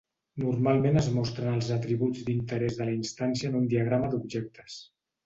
Normalment es mostren els atributs d'interès de la instància en un diagrama d'objectes.